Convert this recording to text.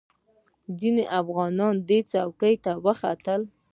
ځینې افغانان دې څوکې ته وختل.